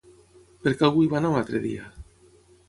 Per què algú hi va anar un altre dia?